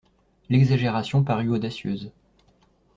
L'exagération parut audacieuse.